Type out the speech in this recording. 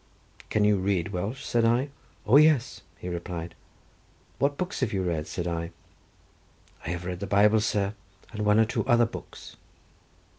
"Can you read Welsh?" said I. "O, yes!" he replied. "What books have you read?" said I. "I have read the Bible, sir, and one or two other books."